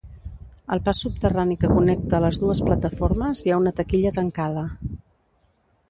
Al pas subterrani que connecta les dues plataformes hi ha una taquilla tancada.